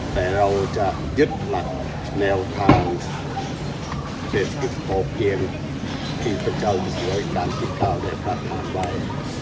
แต่เราจะยึดหลักแนวทางเตรียมอุปกรณ์เพียงที่พระเจ้าอยู่ในวัยการติดต่าวในประธานบาย